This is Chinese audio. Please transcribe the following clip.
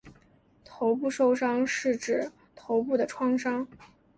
头部受伤是指头部的创伤。